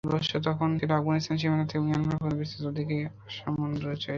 ভারতবর্ষ তখন ছিল আফগানিস্তান সীমান্ত থেকে মিয়ানমার পর্যন্ত বিস্তৃত, ওদিকে আসমুদ্রহিমাচল।